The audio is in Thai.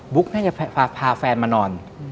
บุ๊กน่าจะพาแฟนมานอน